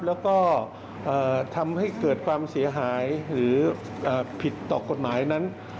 แล้วก็ทำให้เกิดความเสียหายหรือผิดต่อกฎหมายนั้น